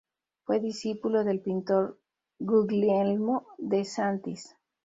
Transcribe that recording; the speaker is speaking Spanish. Fue discípulo del pintor Guglielmo De Santis.